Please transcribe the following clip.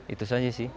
itu saja sih